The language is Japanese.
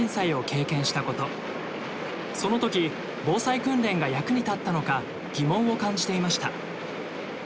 そのとき防災訓練が役に立ったのか疑問を感じていました。